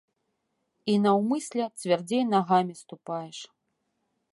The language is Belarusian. І наўмысля цвярдзей нагамі ступаеш.